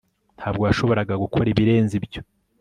Ntabwo washoboraga gukora ibirenze ibyo